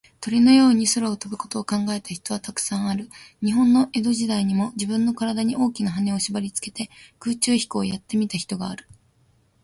鳥のように空を飛ぶことを考えた人は、たくさんある。日本の江戸時代にも、じぶんのからだに、大きなはねをしばりつけて、空中飛行をやってみた人がある。